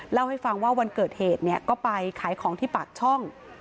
เล่าให้ฟังว่าวันเกิดเหตุเนี่ยก็ไปขายของที่ปากช่อง